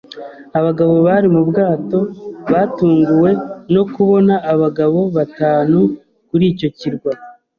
Abagabo bari mu bwato batunguwe no kubona abagabo batanu kuri icyo kirwa.